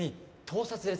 盗撮？